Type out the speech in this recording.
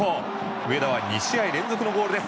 上田は２試合連続のゴールです。